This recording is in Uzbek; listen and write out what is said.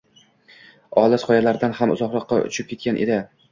Olis Qoyalardan ham uzoqroqqa uchib ketgan edi.